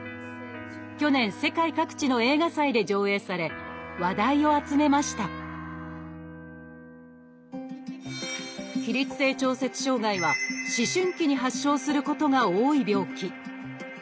去年世界各地の映画祭で上映され話題を集めました「起立性調節障害」は思春期に発症することが多い病気。